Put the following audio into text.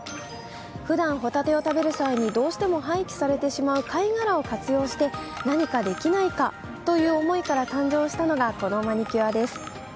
ふだんホタテを食べる際にどうしても廃棄されてしまう貝殻を活用して、何かできないかという思いから誕生したのがこのマニキュアです。